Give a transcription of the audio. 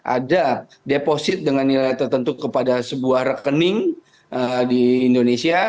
ada deposit dengan nilai tertentu kepada sebuah rekening di indonesia